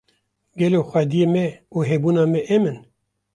Gelo xwedyê me û hebûna me em in